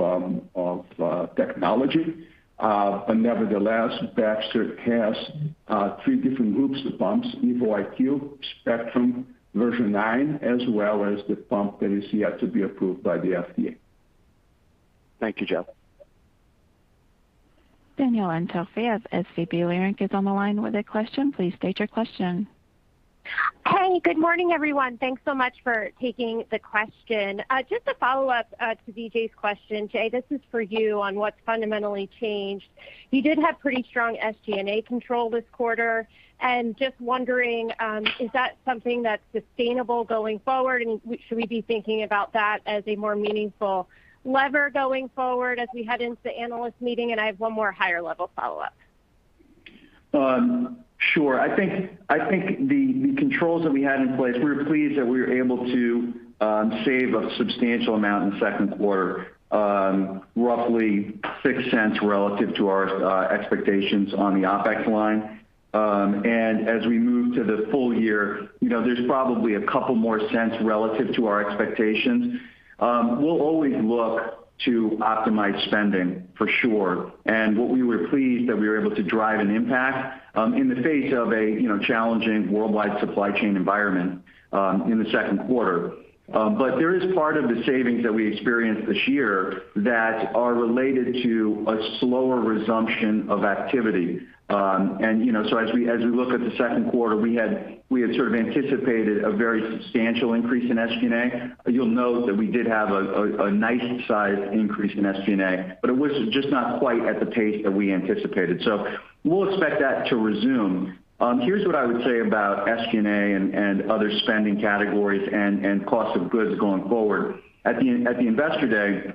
technology. Nevertheless, Baxter has three different groups of pumps, Evo IQ, Spectrum, Version 9, as well as the pump that is yet to be approved by the FDA.
Thank you, Joe.
Danielle Antalffy of SVB Leerink is on the line with a question. Please state your question.
Hey, good morning, everyone. Thanks so much for taking the question. Just a follow-up to Vijay's question. Jay, this is for you on what's fundamentally changed. You did have pretty strong SG&A control this quarter, and just wondering, is that something that's sustainable going forward, and should we be thinking about that as a more meaningful lever going forward as we head into the analyst meeting? I have one more higher-level follow-up.
Sure. I think the controls that we had in place, we were pleased that we were able to save a substantial amount in the second quarter, roughly $0.06 relative to our expectations on the OpEx line. As we move to the full year, there's probably $0.02 more relative to our expectations. We'll always look to optimize spending, for sure. What we were pleased that we were able to drive an impact in the face of a challenging worldwide supply chain environment in the second quarter. There is part of the savings that we experienced this year that are related to a slower resumption of activity. As we look at the second quarter, we had sort of anticipated a very substantial increase in SG&A. You'll note that we did have a nicely sized increase in SG&A, it was just not quite at the pace that we anticipated. We'll expect that to resume. Here's what I would say about SG&A and other spending categories and cost of goods going forward. At the Investor Day,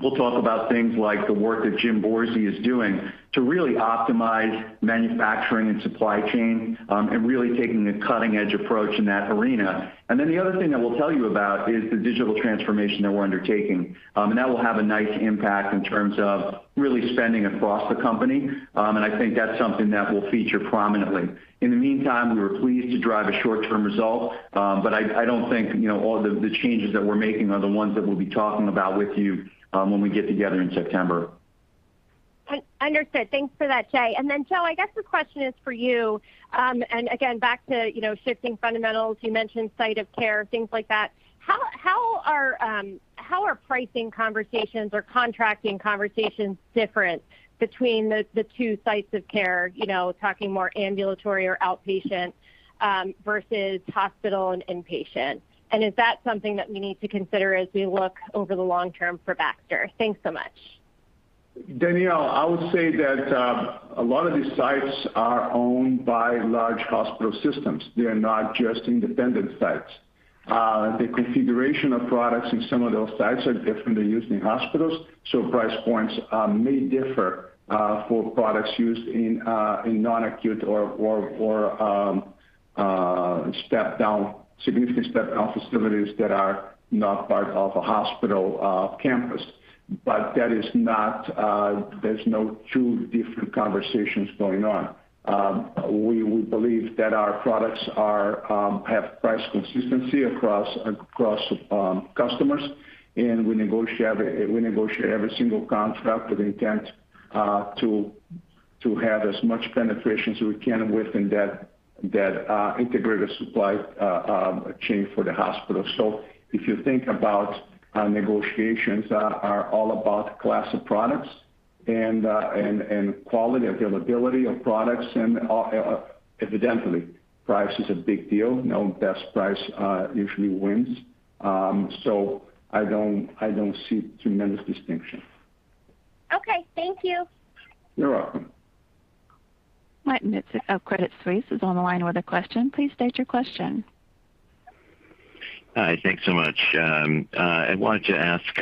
we'll talk about things like the work that James Borzi is doing to really optimize manufacturing and supply chain, and really taking a cutting-edge approach in that arena. The other thing that we'll tell you about is the digital transformation that we're undertaking. That will have a nice impact in terms of really spending across the company. I think that's something that will feature prominently. In the meantime, we were pleased to drive a short-term result. I don't think all of the changes that we're making are the ones that we'll be talking about with you when we get together in September.
Understood. Thanks for that, Jay. Then Joe, I guess this question is for you. Again, back to shifting fundamentals. You mentioned site of care, things like that. How are pricing conversations or contracting conversations different between the two sites of care, talking more ambulatory or outpatient versus hospital and inpatient? Is that something that we need to consider as we look over the long term for Baxter? Thanks so much.
Danielle, I would say that a lot of these sites are owned by large hospital systems. They're not just independent sites. The configuration of products in some of those sites are different than used in hospitals. Price points may differ for products used in non-acute or step-down, significant step-down facilities that are not part of a hospital campus. There's no two different conversations going on. We believe that our products have price consistency across customers. We negotiate every single contract with intent to have as much penetration as we can within that integrated supply chain for the hospital. If you think about negotiations are all about class of products and quality, availability of products, and evidently, price is a big deal. Best price usually wins. I don't see tremendous distinction.
Okay. Thank you.
You're welcome.
Matt Miksic of Credit Suisse is on the line with a question. Please state your question.
Hi. Thanks so much. I wanted to ask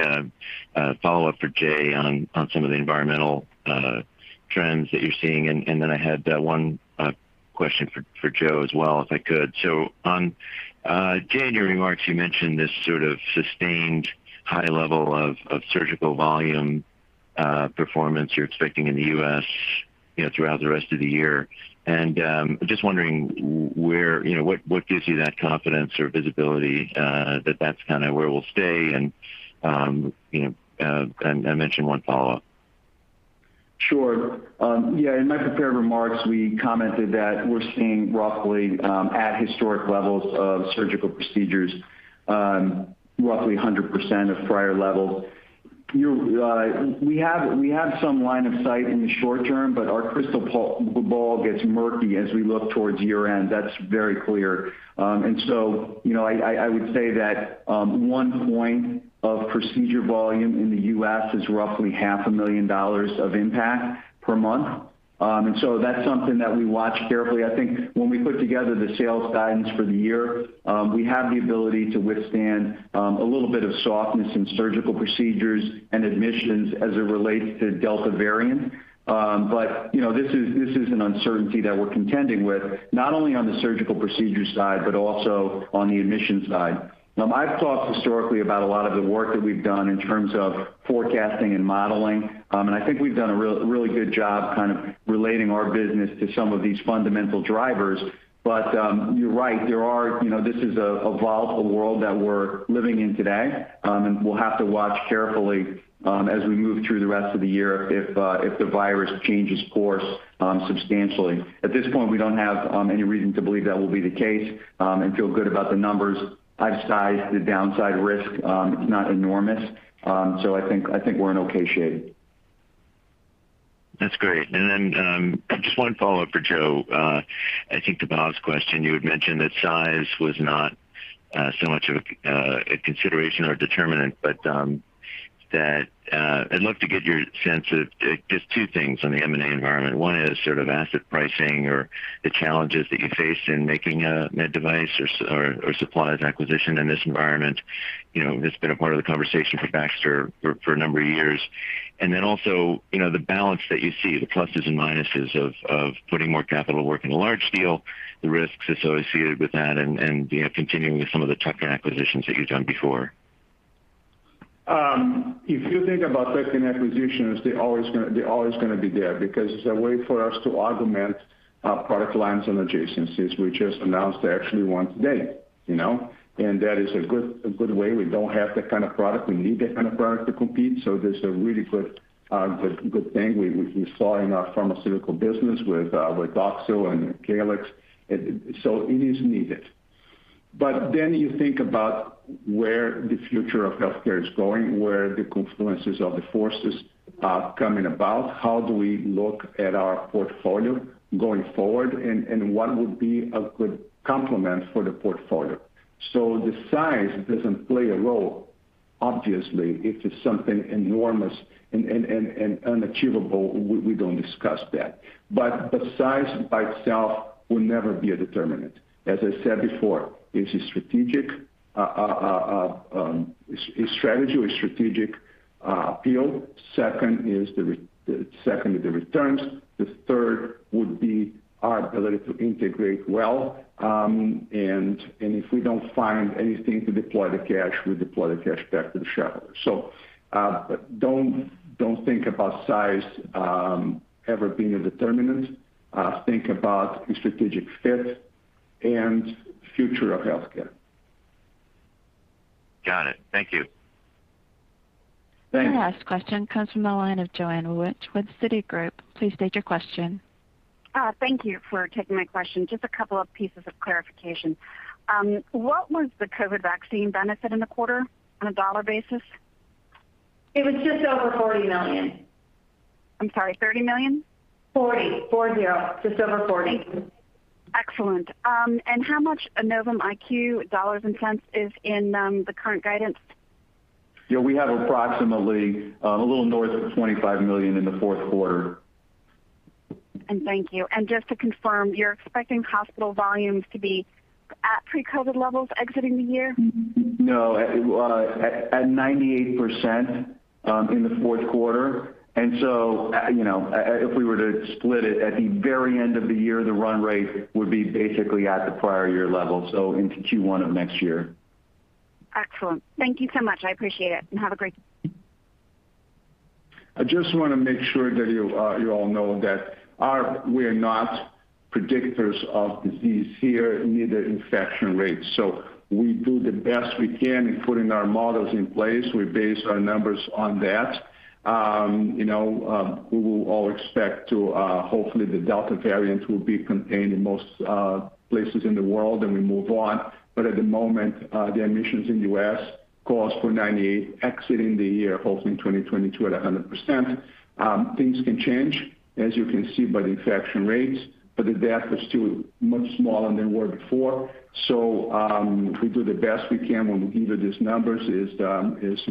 a follow-up for Jay on some of the environmental trends that you're seeing, and then I had one question for Joe as well, if I could. Jay, in your remarks, you mentioned this sort of sustained high level of surgical volume performance you're expecting in the U.S. throughout the rest of the year. I'm just wondering what gives you that confidence or visibility that that's kind of where we'll stay, and I mentioned one follow-up.
Sure. Yeah, in my prepared remarks, we commented that we're seeing roughly at historic levels of surgical procedures, roughly 100% of prior levels. We have some line of sight in the short term, but our crystal ball gets murky as we look towards year-end. That's very clear. I would say that one point of procedure volume in the U.S. is roughly $500,000 of impact per month. That's something that we watch carefully. I think when we put together the sales guidance for the year, we have the ability to withstand a little bit of softness in surgical procedures and admissions as it relates to Delta variant. This is an uncertainty that we're contending with, not only on the surgical procedure side, but also on the admission side. I've talked historically about a lot of the work that we've done in terms of forecasting and modeling. I think we've done a really good job kind of relating our business to some of these fundamental drivers. You're right, this is a volatile world that we're living in today. We'll have to watch carefully as we move through the rest of the year if the virus changes course substantially. At this point, we don't have any reason to believe that will be the case, and feel good about the numbers. I've sized the downside risk. It's not enormous. I think we're in okay shape.
That's great. Then just one follow-up for Joe. I think to Bob's question, you had mentioned that size was not so much a consideration or determinant, but that I'd love to get your sense of just two things on the M&A environment. One is sort of asset pricing or the challenges that you face in making a med device or supplies acquisition in this environment. It's been a part of the conversation for Baxter for a number of years. Then also, the balance that you see, the pluses and minuses of putting more capital to work in a large deal, the risks associated with that and continuing with some of the tuck-in acquisitions that you've done before.
If you think about tuck-in acquisitions, they're always going to be there because it's a way for us to augment our product lines and adjacencies. We just announced one today. That is a good way. We don't have that kind of product. We need that kind of product to compete. This is a really good thing we saw in our pharmaceutical business with Doxil and Caelyx. It is needed. You think about where the future of healthcare is going, where the confluences of the forces are coming about, how do we look at our portfolio going forward, and what would be a good complement for the portfolio. The size doesn't play a role. Obviously, if it's something enormous and unachievable, we don't discuss that. The size by itself will never be a determinant. As I said before, it's a strategic appeal. Second is the returns. The third would be our ability to integrate well. If we don't find anything to deploy the cash, we deploy the cash back to the shareholder. Don't think about size ever being a determinant. Think about the strategic fit and future of healthcare.
Got it. Thank you.
Thanks.
The last question comes from the line of Joanne Wuensch with Citigroup. Please state your question.
Thank you for taking my question. Just a couple of pieces of clarification. What was the COVID vaccine benefit in the quarter on a dollar basis?
It was just over $40 million.
I'm sorry, $30 million?
$40 million. Four, zero. Just over $40 million.
Excellent. How much Novum IQ dollars and cents is in the current guidance?
Yeah, we have approximately a little north of $25 million in the fourth quarter.
Thank you. Just to confirm, you're expecting hospital volumes to be at pre-COVID levels exiting the year?
No, at 98% in the fourth quarter. If we were to split it at the very end of the year, the run rate would be basically at the prior year level, so into Q1 of next year.
Excellent. Thank you so much. I appreciate it. Have a great day.
I just want to make sure that you all know that we are not predictors of disease here, neither infection rates. We do the best we can in putting our models in place. We base our numbers on that. We will all expect hopefully the Delta variant will be contained in most places in the world, and we move on. At the moment, the admissions in the U.S. call us for 98% exiting the year, hopefully in 2022 at 100%. Things can change, as you can see by the infection rates, the deaths are still much smaller than they were before. We do the best we can when we give you these numbers is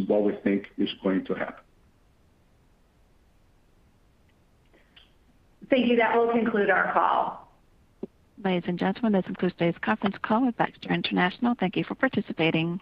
what we think is going to happen.
Thank you. That will conclude our call.
Ladies and gentlemen, this concludes today's conference call with Baxter International. Thank you for participating.